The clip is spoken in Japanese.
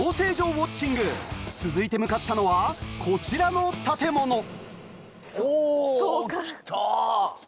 ウオッチング続いて向かったのはこちらの建物おきた。